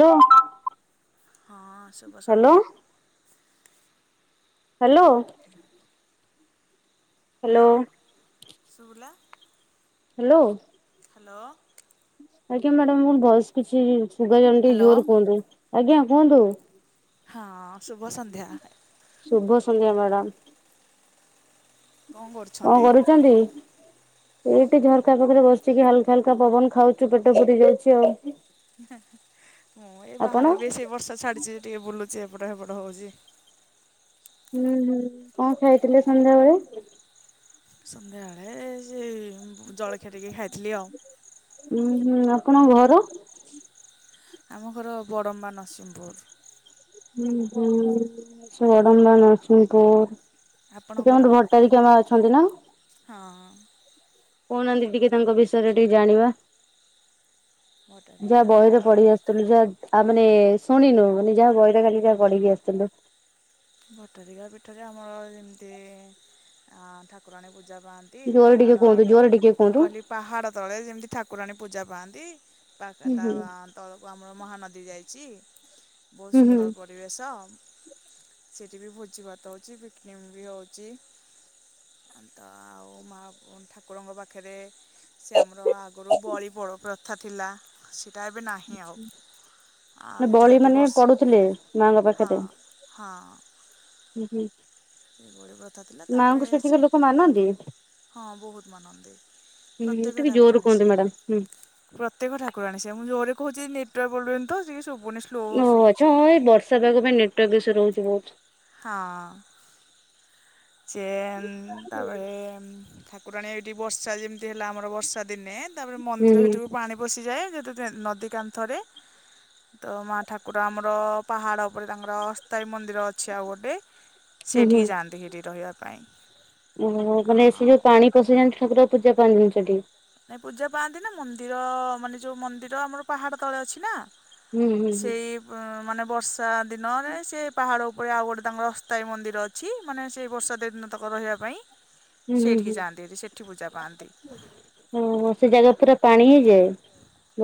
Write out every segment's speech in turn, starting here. Hello ହଁ ଶୁଭ ସନ୍ଧ୍ୟା। ହାଲୋ। ହ୍ୟାଲୋ ହାଲୋ ହ୍ୟାଲୋ ଶୁବିଲା। ହାଲୋ। ହାଲୋ। ଆଜ୍ଞା ମ୍ୟାଡାମ ଆପଣଙ୍କ ଭଏଜ କିଛି ସୁୁବା ଯାଉନି ଟିକେ ହ୍ୟାଲୋ ଜୋରେ କୁହନ୍ତୁ ଆଜ୍ଞା କୁହନ୍ତୁ। ହଁ ଶୁଭ ସନ୍ଧ୍ୟା। ଶୁଭ ସନ୍ଧ୍ୟା ମାଡ଼ାମ। କଣ କଣ କରୁଛନ୍ତି? କରୁଚନ୍ତି? ଏଇଠି ଝରକା ପାଖରେ ବସିକି ହାଲକା ହାଲକା ପବନ ଖାଉଛୁ ପେଟ ପୁରି ଯାଉଛି ଆଉ ମୁଁ ଏଇ ଆପଣ ବାହାରେ ବି ସେଇ ବର୍ଷା ଛାଡିଛି, ଟିକେ ବୁଲୁଛି ଏପଟ ହେପଟ ହଉଚି। ହୁଁ ହୁଁ। କଣ ଖାଇଥିଲେ ସନ୍ଧ୍ୟାବେଳେ? ସନ୍ଧ୍ୟାବେଳେ ସେ ଜଳଖିଆ ଟିକେ ଖାଇଥିଲି ଆଉ ଉଁ ହୁଁ ଆପଣଙ୍କ ଘର ଆମ ଘର ବଡ଼ମ୍ବା ନରସିଂହପୁର। ଉଁ ହୁଁ ସେ ବଡମ୍ବା ନରସିଂହପୁର। ସେଠି ଆପଣଙ୍କର? ଆମର ଭଟ୍ଟାରିକା ମା ଅଛନ୍ତି ନା। ହଁ। କହୁନାହାନ୍ତି ଟିକେ ତାଙ୍କ ବିଷୟରେ ଟିକେ ଜାଣିବା। ଯାହା ଭଟ୍ଟାରିକା ବହିରେ [inaudible] ଆ ମାନେ ଶୁଣିନୁ ମାନେ, ଯାହା ହୋଉ ବହିଟା ଖାଲି ଯାହା ପଢିକି ଆସିଥିଲୁ। ଭଟ୍ଟାରିକା ପୀଠରେ ଆମର ଯେମିତି ଆଁ ଠାକୁରାଣୀ ପୂଜା ପାଆନ୍ତି। ନ୍ତି ଜୋରେ ଟିକେ ପାହାଡ଼ କୁହନ୍ତୁ ତ ଜୋରେ ଟିକେ କୁହନ୍ତୁ କଲି ପାହାଡ଼ ତଳେ ଯେମିତି ଠାକୁରାଣୀ ପୂଜା ପାଆନ୍ତି। ତା ହୁଁ ତା ହୁଁ ତଳକୁ ଆମର ମହାନଦୀ ଯାଇଚି ବୋହୁତ ହୁଁ ହୁଁ। ସୁନ୍ଦର ପରିବେଶ। ସେଇଠି ବି ଭୋଜି ଭାତ ହଉଚି ପିକନିକ ବି ହଉଚି। ତ ଆଉ ମା ଠାକୁରଙ୍କ ପାଖରେ ସେ ଆମର ଆଗରୁ ବଳି ବଡ଼ ପ୍ରଥା ଥିଲା ସେଇଟା ଏବେ ନାହିଁ ଆଉ। ଆଉ ନା ବଳି ଯେତେବେଳେ ଏଠି ମାନେ ବୋର୍ସ ପଢୁଥିଲେ ମାଙ୍କ ହଁ ପାଖରେ ହଁ [inaudible] ଏଭଳି କଥା ଥିଲା ମାଆଙ୍କୁ ତାପରେ ସେଠିକା ସେ ଲୋକ ମାନନ୍ତି ହଁ ବହୁତ ମାନନ୍ତି। ହୁଁ ପ୍ରତ୍ୟେକ୍ଷ ଟିକେ ଜୋର ଠାକୁରାଣୀ କୁହନ୍ତୁ ସିଏ। ମ୍ୟାଡାମ ହୁଁ। ପ୍ରତ୍ୟେକ୍ଷ ଠାକୁରାଣୀ, ସେ ମୁଁ ଜୋରେ କହୁଚି ନେଟୱାର୍କ ପ୍ରୋବ୍ଲେମ୍ ତ ଟିକେ ଶୁବୁନି ଓହୋ ଆଚ୍ଛା ହଁ ଏଇ ବର୍ଷା ପାଗ ପାଇଁ ନେଟୱାର୍କ ଇସୁ ରହୁଚି ବହୁତ। ହଁ। ଚେନ୍ ତାପରେ ଉଁ, ଠାକୁରାଣୀ ଏଇଠି ବର୍ଷା ଯେମିତି ହେଲା ଆମର ବର୍ଷା ଦିନେ ତାପରେ ହୁଁ ମନ୍ଦିର ହୁଁ ଭିତରକୁ ପାଣି ପଶିଯାଏ। ଯେହେତୁ ସେ ନଦୀ କାନ୍ଥରେ ତ ମା ଠାକୁର ଆମର ପାହାଡ଼ ଉପରେ ତାଙ୍କର ଅସ୍ଥାୟୀ ମନ୍ଦିର ଅଛି ଆଉ ଗୋଟେ। ହୁଁ ହୁଁ ସେଇଠିକି ଯାଆନ୍ତି ହେରି ରହିବା ପାଇଁ। ଓହୋ! ମାନେ ସେ ଆଉ ଯୋଉ ପାଣି ପଶିଯାଆନ୍ତି, ଠାକୁର ଆଉ ପୂଜା ପାଆନ୍ତିନି ସେଠି? ନାଇଁ ପୂଜା ପାଆନ୍ତି ନା, ମନ୍ଦିର ମାନେ ଯୋଉ ମନ୍ଦିର ଆମର ପାହାଡ ତଳେ ଅଛି ନା ହୁଁ ହୁଁ ହୁଁ ସେଇ ବ-ମାନେ ବର୍ଷା ଦିନରେ ସେ ପାହାଡ଼ ଉପରେ ଆଉ ଗୋଟେ ତାଙ୍କର ଅସ୍ଥାୟୀ ମନ୍ଦିର ଅ ଛି ମାନେ ସେଇ ବର୍ଷା ଦିନ ତାକ ରହିବା ପାଇଁ। ହ ସେଇଠିକି ଯାଆନ୍ତିି ହେରି ସେଠି ପୂଜା ପାଆନ୍ତି। ଓହୋ! ସେ ଜାଗା ପୁରା ପାଣି ହେଇଯାଏ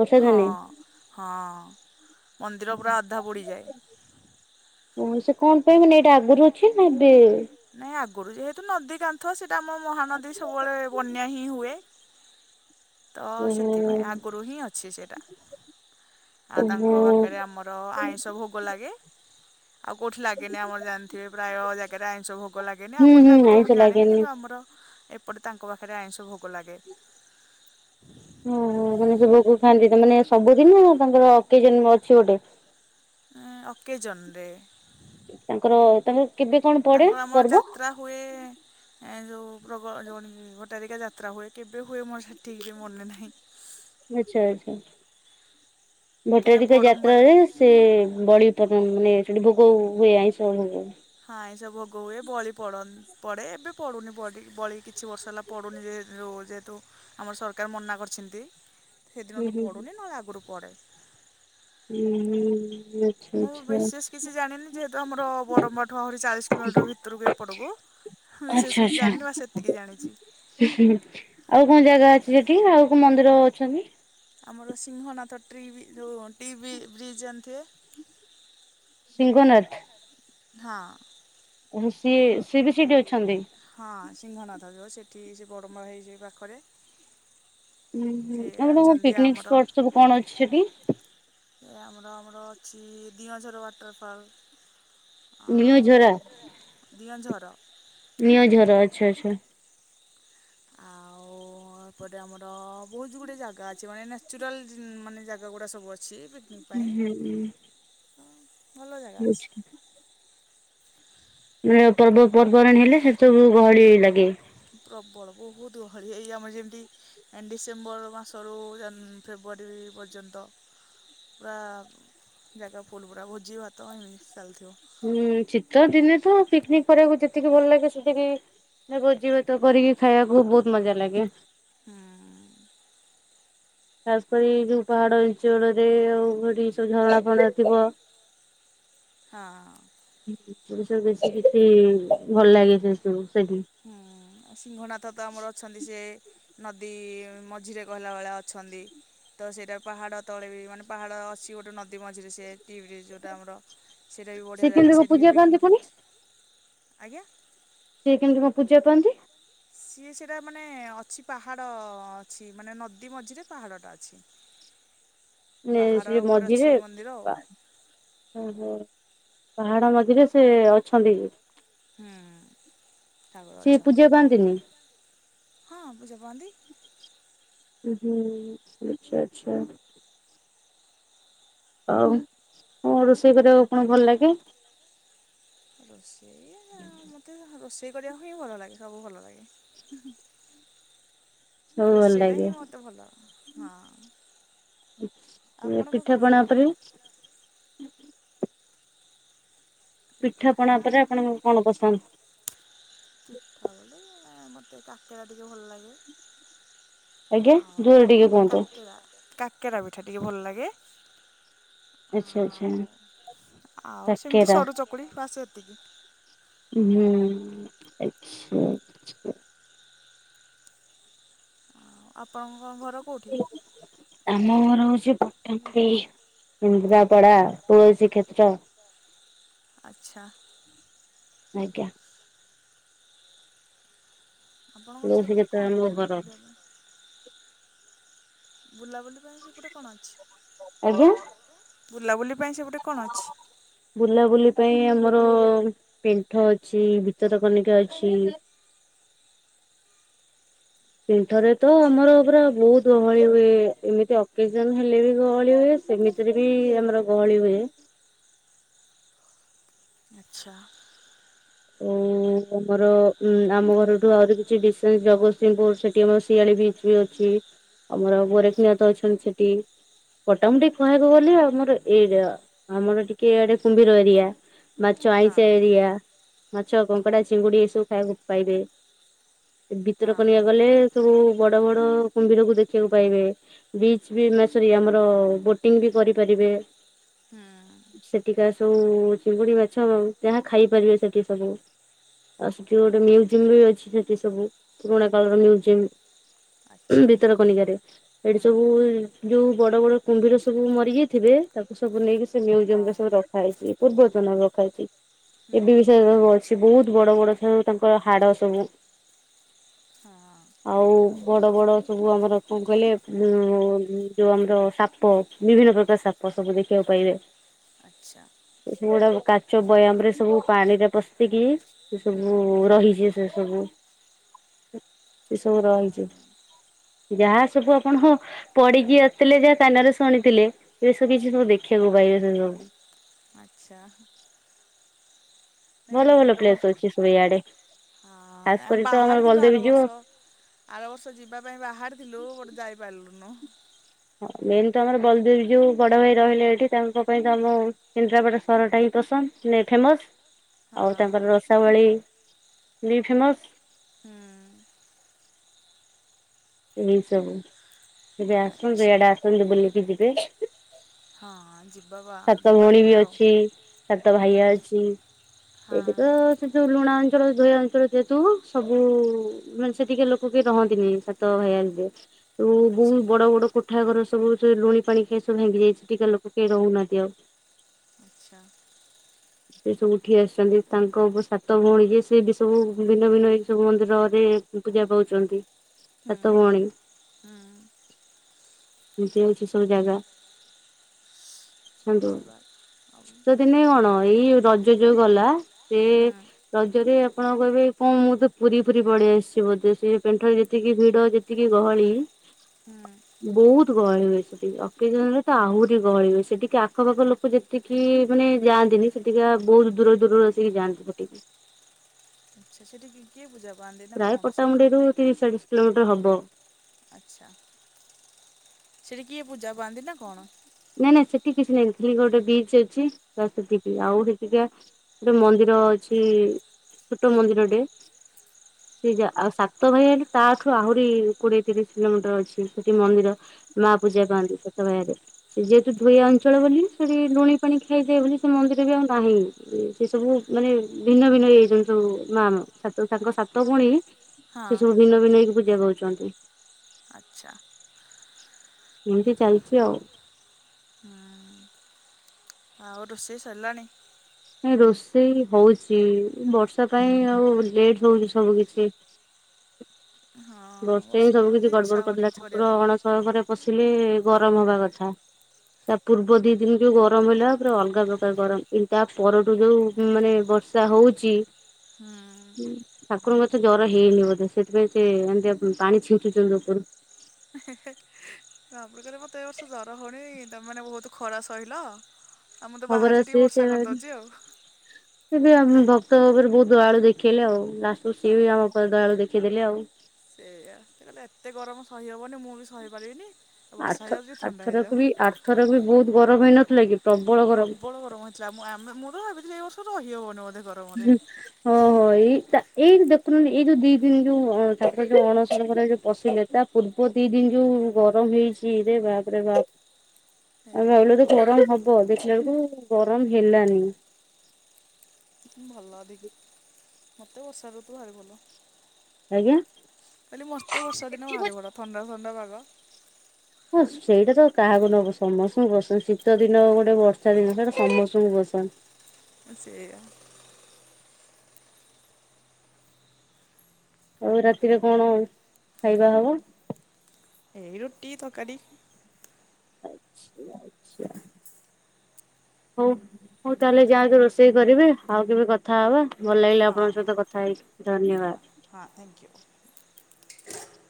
ବର୍ଷା ହଁ ଦିନେ? ହଁ ମନ୍ଦିର ପୁରା ଅଧା ବୁଡ଼ି ଯାଏ। ଓ ସେ କଣ ପାଇଁ ମାନେ ଏଇଟା ଆଗରୁ ଅଛି ନା ଏବେ? ନାଇଁ ଆଗରୁ ଯେହେତୁ ନଦୀ କା ଥ ସେଟା ଆମ ମହାନଦୀ ସବୁବେଳେ ବନ୍ୟା ହିଁ ହୁଏ। ତ ସେଥିପାଇଁ ଆଗରୁ ହିଁ ଅଛି ସେଇଟା। ଆଉ ଓହୋ ତାଙ୍କ ପାଖରେ ଆମର ଆଇଁଷ ଭୋ ଗ ଲାଗେ। ଆଉ କୋଉଠି ଲାଗେନି ଆମର ଜାଣିଥିବେ ପ୍ରାୟ ଜାଗାରେ। ଷ ଭୋଗ ଲାଗେନି ଆଉ ହୁଁ କୋଉଠି ହୁଁ ଲାଗୁଥିବ ଆଇଁଷ ମୁଁ ଜାଣିନି। ଲାଗେନି। କିନ୍ତୁ ଆମର ଏପଟ ତାଙ୍କ ପାଖରେ ଆଇଁଷ ଭୋଗ ଲାଗେ। [inaudible] ଓହୋ! ମାନେ ସେ ଭୋଗ ଖାଆନ୍ତି ତ ମାନେ ସବୁଦିନେ ନା ତାଙ୍କର ଅକେଜନ ଅଛି ଗୋଟେ? ଆଁ, ଓକେଜନ ରେ। ତାଙ୍କର ତାଙ୍କର କେବେ କଣ ପଡେ ତାଙ୍କର ଆମର ପର୍ବ? ଯାତ୍ରା ହୁଏ। ଏଁ ଯୋଉ ପ୍ରବ ଯୋଉନିକି ଭଟ୍ଟାରିକା ଯାତ୍ରା ହୁଏ କେବେ ହୁଏ ମୋର ସେ ଠିକ ସେ ମନେ ନାହିଁ। ଆଚ୍, ଛା ଆଚ୍ଛା କାହିଁକିନା ଭଟ୍ଟାରିକା ବଡ଼ମ୍ବାଠୁ ଯାତ୍ରାରେ ସେ ବଳି ପଡନ ମାନେ ସେଠି ଭୋଗ ହୁଏ ଆଇଁଷ ଭୋଗ? ହଁ ଆଇଁଷ ଭୋଗ ହୁଏ। ବଳି ପଡନ ପଡେ ଏବେ ପଡୁନି ବଡି ବଳି କିଛି ବର୍ଷ ହେଲା ପଡ଼ୁନି ଯେ ଯୋଉ ଯେହେତୁ ଆମର ସରକାର ମନା କରିଛନ୍ତି। ହୁଁ ସେଇଦିନଠୁ ହୁଁ ପଡୁନି, ନହଲେ ଆଗରୁ ପଡେ। ଉଁ, ହୁଁ। ଆଚ୍ଛା ମୁଁ ଆଚ୍ଛା। ବିଶେଷ କିଛି ଜାଣିନି ଯେହେତୁ ଆମର ବଡ଼ମା ଠୁ ଆହୁରି ଚାଳିଶ କିଲୋମିଟର୍ ଭିତରକୁ ଏପଟକୁ। ବିଶେଷ କିଛି ଜାଣିନି ମା ସେତିକି ଜାଣିଚି। ଉଁ, ହୁଁ ଆଉ କଣ ଜାଗା ଅଛି ସେଠି ଆଉ କୋଉ ମନ୍ଦିର ଅଛନ୍ତି? ଆମର ସିଂହନାଥ ଟ୍ରିବି ଯୋଉ ଟି ବି ବ୍ରିଜ୍ ଜଣିଥିବେ? ସିଂହନାଥ? ହଁ। ଏଣୁ ସିଏ ସିଏ ବି ସେଇଠି ଅଛନ୍ତି। ହଁ, ସିଂହନାଥ ଯୋଉ ସେଠି ସେ ବଡମ୍ବା ହେଇ ଯେ ପାଖରେ। ଉଁ, ହୁଁ, ସେ ଆଉ ତୋମ ଅଛନ୍ତି ପିକନିକ୍ ଆମର ସ୍ପଟ୍ ସବୁ କଣ ଅଛି ସେଠି? ଏ ଆମର ଆମର ଅଛି ଦିଅଁଝର ୱାଟର୍ ଫଲ୍। ନିଅଝରା ଆଉ ଦିଅଁଝର। ନିଅଁଝର ଆଚ୍ଛା ଆଚ୍ଛା। ଆଉ ଓ ଏପଟେ ଆମର ବହୁତ ଗୁଟେ ଜାଗା ଅଛି, ମାନେ ନ୍ୟଚୁରାଲ ମାନେ ଜାଗା ଗୁଡା ସବୁ ଅଛି। ବି ହୁଁ, ହୁଁ, ହୁଁ। ଭଲ ଜାଗା ଅଛି। ବୁଝିଲି। [inaudible] ପର୍ବ ପର୍ବାଣୀ ହେଲେ ସେ ସବୁ ଗହଳି ଲାଗେ। ପ୍ରବଳ ବହୁତ ଗହଳି ଏଇ ଆମର ଯେମତି ଡିସେମ୍ବର ମାସରୁ ଜାନ୍ ଫେବୃଆରୀ ପର୍ଯ୍ୟନ୍ତ। ପୁରା ଜାଗା ଫୁଲ ପୁରା ଭୋଜି ଭାତ [inaudible] ଚାଲ ଥିବ। ହୁଁ, ଶୀତ ଦିନେ ତ ପିକ୍ନିକ କରିବାକୁ ଯେତିକି ଭଲ ଲାଗେ ସେତିକି ନେ ଭୋଜି ଭାତ କରିକି ଖାଇବାକୁ ବହୁତ ମଜା ଲାଗେ। ହୁଁ। ଖାସ କରି ଯୋଉ ପାହାଡ [inaudible] ଆଉ ସେଠି ସବୁ ଝରଣା ଫରଣା ଥିବ। [inaudible] ହଁ। [inaudible] ବେଶୀ କିଛି ଭଲ ଲାଗେ ସେ ସବୁ ସେଠି ହୁଁ, ଆଉ ସିଂହନାଥ ତ ଆମର ଅଛନ୍ତି ସେ ନଦୀ ମଝିରେ ଗହିଲା ଭଳିଆ ଅଛନ୍ତି। ତ ସେଇଟା ପାହାଡ ତଳେ ବି ମାନେ ପାହାଡ ଅଛି ଗୋଟେ ନଦୀ ମଝିରେ ସେ ଟିଭିରେ ଯୋଉଟା ଆମର ସେଇଟା ବି ବଢ଼ିଆ ସେ ଜାଗା କେମିତି କଣ ସେଇଠି ବି ପୂଜା ପାଆନ୍ତି ପିକନିକ୍ ପୁଣି? ହଉଛି, ଆଜ୍ଞା। ସିଏ କେମିତି କ'ଣ ପୂଜା ପାଆନ୍ତି? ସିଏ ସେଟା ମାନେ ଅଛି ପାହାଡ଼ ଅଛି ମାନେ ନଦୀ ମଝିରେ ପାହାଡ଼ଟା ଅଛି। ଲେ ପାହାଡ଼ ସିଏ ଉପରେ ଅଛି ମଝିରେ ମନ୍ଦିର ଆଉ ଓହୋଃ! ପାହାଡ଼ ମଝିରେ ସେ ଅଛନ୍ତି। ହୁଁ, ଠାକୁର ଅଛନ୍ତି। ଖାନ୍ତିିନି। ହଁ, ପୂଜା ପାଆନ୍ତି। ଉଁହୁଁ, ଆଛା ଆଛା। ଆଉ କ'ଣ ରୋଷେଇ କରିବାକୁ ଆପଣଙ୍କୁ ଭଲ ଲାଗେ? ରୋଷେଇ ମୋତେ ରୋଷେଇ କରିବାକୁ ହିଁ ଭଲ ଲାଗେ ସବୁ ଭଲ ଲାଗେ। ସବୁ ଭଲ ରୋଷେଇଟା ଲାଗେ ହିଁ ମତେ ଭଲ, ହଁ। ଆପଣଙ୍କ ପିଠା ଘର ପଣା କୋଉଠି? ଉପରେ ପିଠା ପଣା ଉପରେ ଆପଣଙ୍କୁ କ'ଣ ପସନ୍ଦ? ପିଠା ବୋଲି ମତେ କାକେରା ଟିକେ ଭଲ ଲାଗେ। ଆଜ୍ଞା, ଆଉ ଜୋରରେ ଟିକେ କୁହନ୍ତୁ। କାକେରା କାକେରା ପିଠା ଟିକି ଭଲ ଲାଗେ। ଆଚ୍ଛା ଆଚ୍ଛା ଆଉ ଆଉ ସେମିତି କାକେରା ସରୁ ଚକୁଳି ବାସ ଏତିକି। ଉଁହୁଁ, ଆଛା, ଆଛା। ଆଉ ଆପଣଙ୍କ ଘର କେଉଁଠି? ଆମ ଘର ହଉଛି ପଟ୍ଟାମୁଣ୍ଡେଇ। କେନ୍ଦ୍ରାପଡା ତୁଳଶୀ କ୍ଷେତ୍ର। ଆଚ୍ଛା। ଆଜ୍ଞା। ଆପଣଙ୍କର ତୁଳସୀ ସେପଟେ କ୍ଷେତ୍ର କ'ଣ ଆମ ଘର ବୁଲିବା ପାଇଁ? ବୁଲାବୁଲି ପାଇଁ ସେପଟେ କ'ଣ ଅଛି? ଆଜ୍ଞା ବୁଲାବୁଲି ପାଇଁ ସେପଟେ କ'ଣ ଅଛି? ବୁଲାବୁଲି ପାଇଁ ଆମର ପେଣ୍ଠ ଅଛି, ଭିତରକନିକା ଅଛି। ପେଣ୍ଠରେ ତ ଆମର ପୁରା ବହୁତ ଗହଳି ହୁଏ, ଏମିତି ଅକେଜନ ହେଲେ ବି ଗହଳି ହୁଏ। ସେମିତିରେ ବି ଆମର ଗହଳି ହୁଏ। ଆଚ୍ଛା। ଉଁ [unintelligible] ଆମର ଉଁ ଆମ ଘରଠୁ ଆହୁରି କିଛି ଡିସେନ୍ସ ଜଗତସିଂଘପୁର ସେଠି ଆମର ଶିଆଳି ବିଚ ବି ଅଛି। ଆମର ଗୋରେଖନାଥ ଅଛନ୍ତି ସେଠି। ମୋଟାମୋଟି କହିବାକୁ ଗଲେ ଆମର ଏରିଆ ଆମର ଟିକେ ଇଆଡେ କୁମ୍ଭୀର ଏରିଆ। ମାଚ ହଁ। ଆଇଁଶିଆ ଏରିଆ। ମାଛ କଙ୍କଡା ଚିଙ୍ଗୁଡି ଏସବୁ ଖାଇବାକୁ ପାଇବେ ଭିତରକନିକା ହଁ ଗଲେ। ସବୁ ବଡ ବଡ କୁମ୍ଭୀରକୁୁ ଦେଖିବାକୁ ପାଇବେ। ବିଚ ବି ମେ ସରି ଆମର ବୋଟିଂ ବି କରିପାରିବେ। ହୁଁ ସେଠିକାର ସବୁ ଚିଙ୍ଗୁଡି ମାଛ ଯାହା ଖାଇପାରିବେ ସେଠି ସବୁ। ଆଉ ସେଠି ଗୋଟେ ମ୍ୟୁଜିୟମ ବି ଅଛି ସେଠି ସବୁ ପୁରୁଣା କାଳର ମ୍ୟୁଜିୟମ। ଆଚ୍ଛା ଭିତରକନିକାରେ। ସେଇଠି ହୁଁ ସବୁ ଯୋଉ ବଡ ବଡ କୁମ୍ଭୀର ସବୁ ମରିଯାଇଥିବେ। ତାକୁ ସବୁ ନେଇକି ସେ ହଁ ମ୍ୟୁଜିୟମ ରେ ସବୁ ରଖା ହେଇଛି ପୂର୍ବତନ ରଖାହେଇଛି ହୁଁ ଏବି ସେ ସବୁ ଅଛି ବହୁତ ବଡ ବଡ ସବୁ ତାଙ୍କର ହାଡ଼ ସବୁ ହଁ। ଆଉ ବଡ଼ ବଡ଼ ସବୁ ଆମର କଣ କହିଲେ ଉଁ ଉଁ ଯଉ ଆମର ସାପ। ବିଭିନ୍ନ ପ୍ରକାର ସାପ ସବୁ ଦେଖିବାକୁ ପାଇବେ। ଆଚ୍ଛା ଏ ସବୁ ଏଗୁଡା କାଚ ବୟାମ ରେ ସବୁ ପାଣିରେ ପଶିକି ସେ ହୁଁ ସବୁ ରହିଛି ସେ ସବୁ। ସେ ସବୁ ରହିଛି ଯାହା ସବୁ ଆପଣ ହୋ ପଢିକି ଆସିଥିଲେ ଯାହା କାନରେ ଶୁଣିଥିଲେ ଏସବୁ କିଛି ସବୁ ଦେଖିବାକୁ ପାଇବେ ସେ ସବୁ ଆଚ୍ଛା। ନାଇଁ ଭଲ ଭଲ ଗୋଟେ ବ- ପ୍ଲେସ ଅଛି ସବୁ ଇଆଡେ। ହଁ ଖାସ ଏ କରି ଆମେ ତ ଆମର ବାହାରିଥିଲୁ ଆର ବଲଦେବୀ ଜୀଉ ବର୍ଷ। ଆର ବର୍ଷ ଯିବା ପାଇଁ ବାହାରିଥିଲୁ ଗୋଟେ ଯାଇପାରିଲୁନୁ। ହ ମେନ ତ ଆମର ବଲଦେବ ଜୀଉ ବଡ଼ ଭାଇ ରହିଲେ ଏଇଠି ତାଙ୍କ ପାଇଁ ତ ଆମ କେନ୍ଦ୍ରାପଡ଼ା ସହରଟା ହିଁ ପସନ୍ଦ ନାଇ ଫେମସ ହଁ ଆଉ ତାଙ୍କର ରସାବଳି ବି ଫେମସ। ହୁଁ। ଏଇ ସବୁ କେବେ ଆସନ୍ତୁ ଆଚ୍ଛା ଇଆଡେ ଆସନ୍ତୁ ବୁଲିକି ଯିବେ। ହଁ ଯିବା ବା ସାତ ଯିବା ଭଉଣୀ ବି କେବେ ଆଉ ଅଛି ସାତ ହୁଁ ଭାଇଆ ଅଛି। ହଁ ଏଠି ତ ସେ ଯଉ ଲୁଣା ଅଞ୍ଚଳ ଧୋଇବା ଅଞ୍ଚଳ ଯେହେତୁ ସବୁ ମାନେ ସେଠି କିଏ ଲୋକ କିଏ ରହନ୍ତିନି ସେ ତ ଭାଇ ଆଣିଦିଏ ତ ଆଚ୍ଛା ବହୁତ ବଡ ବଡ କୋଠା ଘର ସବୁ ସେ ଲୁଣି ପାଣି ଖାଇ ସବୁ ଭାଙ୍ଗି ଯାଇଛି ସେଠିକା ଲୋକ କେହି ରହୁନାହାନ୍ତି ଆଉ ଆଚ୍ଛା। ସେ ସବୁ ଉଠି ଆସିଛନ୍ତି ତାଙ୍କ ବ ସାତ ଭଉଣୀ ଯିଏ ସେ ବି ସବୁ ଭିନ୍ନ ଭିନ୍ନ ହେଇକି ସବୁ ମନ୍ଦିରରେ ଉଁ ପୂଜା ପାଉଛନ୍ତି ହୁଁ ସାତ ଭଉଣୀ। ହୁଁ ଏମିତି ହଉଛି ସବୁ ଜାଗା। ସାଙ୍ଗ। ଯିବା ଆଉ ଶିତ ଦିନେ କଣ ଏଇ ରଜ ଯୋଉ ଗଲା ଏ ହୁଁ ରଜରେ ଆପଣ କହିବେ କଣ ମୁଁ ତ ପୁରୀ ଫୁରୀ ପଳି ଆସିଛି ବୋଧେ ସେ ପେଣ୍ଠ ଯେତିକି ଭିଡ ଯେତିକି ଗହଳି। ହୁଁ। ବହୁତ ଗହଳି ହୁଏ ସେଠି ଅକେଜନରେ ତ ଆହୁରି ଗହଳି ହୁଏ ସେଠିକା ଆଖପାଖ ଲୋକ ଯେ ସେଠିକି ମାନେ ଯାଆନ୍ତିନି ସେଠିକା ବହୁତ ଦୂର ଦୂରରୁ ଆସିକି ଯାଆନ୍ତି ସେଠିକି ଆଚ୍ଛା ସେଠିକି କିଏ ପୂଜା ପାଆନ୍ତି? ନା ପ୍ରାୟ କଣ ସେଇଟା ପଟାମୁଣ୍ଡେଇରୁ ତିରିଶ ଚାଳିଶ କିଲୋମିଟର ହବ। ଆଚ୍ଛା, ସେଠି କିଏ ପୂଜା ପାଆନ୍ତି ନା କଣ? ନାଇଁ ନାଇଁ ସେଠି କିଛି ନାଇଁ। ଖାଲି ଗୋଟେ ବିଚ ଅଛି ତ ସେତିକି ଆଉ [unintelligible] ଗୋଟେ ମନ୍ଦିର ଅଛି ଛୋଟ ମନ୍ଦିରଟେ। ସେ ଯା ଆଉ ସାତ ଭାଇ ହେଲେ ତାଠୁ ଆହୁରି କୋଡିଏ ତିରିଶ କିଲୋମିଟର ଅଛି ସେଠି ମନ୍ଦିର। ମାଁ ପୂଜା ପାଆନ୍ତି ସାତ ଭାଇରେ। ସେ ଯେହେତୁ ଧୋଇଆ ଅଞ୍ଚଳ ବୋଲି ସେଠି ଲୁଣି ପାଣି ଖାଇଯାଏ ବୋଲି ସେ ମନ୍ଦିର ବି ଆଉ ନାହିଁ। ସେ ସବୁ ମାନେ ଭିନ୍ନ ଭିନ୍ନ ଇ ଯୋଉ ସବୁ ମା ସାତ ତାଙ୍କ ସାତ ଭଉଣି ସେ ହଁ ସବୁ ଭିନ୍ନ ଭିନ୍ନ ହେଇକି ପୂଜା ପାଉଛନ୍ତି। ଆଚ୍ଛା ଏମିତି ଚାଲିଛି ଆଉ। ହୁଁ। ଆଉ ରୋଷେଇ ସରିଲାଣି? ରୋଷେଇ ହଉଛି ବର୍ଷା ପାଇଁ ଆଉ ଲେଟ୍ ହଉଛି ସବୁ କିଛି। ହଁ ବର୍ଷେ ହିଁ ବର୍ଷା ତ ସବୁ ହଉଛି କିଛି ଗଡ ଇଚ୍ଛା ଗଡ ହଉନି କରିଦେଲା। କିଛି କରିବା ଠାକୁର ପାଇଁ। ଅଣସର ଘରେ ପଶିଲେ ଗରମ ହବା କଥା। ତା ପୂର୍ବ ଦି ଦିନ ଯୋଉ ଗରମ ହେଲା ପୁରା ଅଲଗା ପ୍ରକାର ଗରମ। ଏ ତା ପରଠୁ ଯୋଉ ମାନେ ବର୍ଷ ରସା ହଉଛି ହୁଁ। ଠାକୁରଙ୍କୁ ଏତେ ଜ୍ଵର ହେଇନି ବୋଧେ ସେଥିପାଇଁ ସେ [unintelligible] ପାଣି ଛିଞ୍ଚୁଛନ୍ତି ଉପରୁ। ହେ ହେ ହେ। ଭାବୁଥିଲେ ମୋତେ ଏ ବର୍ଷ ଜର ହଉନେଇ ତମେ ମାନେ ବହୁତ ଖରା ସହିଲ। ଆଉ ମୁଁ ତ ହଁ ପରା ବାହାରିଚି ଟିକେ ସିଏ ସେ ବର୍ଷା କରିଦଉଛି ଆଉ। ସେ ବି ଆମେ ଭକ୍ତ ଉପରେ ବହୁତ ଦୟାଳୁ ଦେଖେଇଲେ ଆଉ। ଲାଷ୍ଟକୁ ସିଏ ହଁ ବି ଆମ ଉପରେ ଦୟାଳୁ ଦେଖେଇଦେଲେ ଆଉ। ସେଇଆ କହିଲେ ଏତେ ଗରମ ସହି ହବନି ମୁଁ ବି ସହିପାରିବିନି। ବର୍ଷା ହେଇଯାଉଚି ଥଣ୍ଡା ହେଇଯାଉ। ଥରେ ବି ବହୁତ ଗରମ ହେଇନଥିଲା କି? ପ୍ରବଳ ଗରମ। ପ୍ରବଳ ଗରମ ହେଇଥିଲା। ମୁଁ ଆମେ ମୁଁ ତ ଭାବିଥିଲି ଏ ବର୍ଷ ରହିହବନି ବୋଧେ ଘ ହଁ ହ। ଏଇ ତା ଏଇ ଯଉ ଦେଖୁନୁ ଏଇ ଯୋଉ ଦି ଦିନ ଯୋଉ ଠାକୁର ଯୋଉ ଅଣସର ଘରେ ଯୋଉ ପଶିଲେ ତା ପୂର୍ବ ଦି ଦିନ ଯୋଉ ଗରମ ହେଇଛି ରେ ବାପ ବାପ୍। ଆମ ଏଇଆ ଭାବିଲୁ ତ ପ୍ରବଳ ଗରମ ହବ ଦେଖିଲା ବେଳକୁ ଗରମ ହେଲାନି। ଭଲବି ମତେ ବର୍ଷା ରୁତୁ ଭାରି ଭଲ। ଆଜ୍ଞା, ଖାଲି ମତେ ବର୍ଷା ଦିନ ଭାରି ଭଲ ଥଣ୍ଡା ଥଣ୍ଡା ପାଗ। ହଁ ସେଇଟା ତ କାହାକୁ ନ ପସନ୍ଦ। [unintelligible] ଶୀତ ଦିନ ଗୋଟେ ବର୍ଷା ଦିନ ସେଇଟା ସମସ୍ତଙ୍କୁ ପସନ୍ଦ। ସେଇୟା। ଆଉ ରାତିରେ କଣ ଖାଇବା ହବ? ଏଇ ରୁଟି, ତରକାରି। ଆଛା ଆଛା। ହଉ ହଉ ତାହେଲେ ଯାଆନ୍ତୁ ରୋଷେଇ କରିବେ ଆଉ କେବେ କଥା ହେବା। ଭଲ ଲାଗିଲା ହଁ ଆପଣଙ୍କ ସହିତ ହଁ କ ଥା ହେଇକି ଧନ୍ୟବାଦ। ହଁ ଆଙ୍ଗ୍ୟୁ।